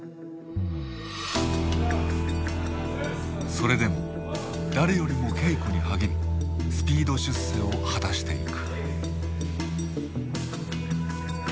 それでも誰よりも稽古に励みスピード出世を果たしていく。